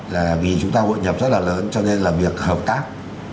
là vì chúng ta hội nhập rất là lớn cho nên là việc hợp tác